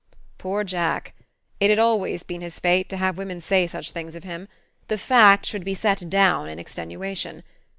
Poor Jack! It had always been his fate to have women say such things of him: the fact should be set down in extenuation.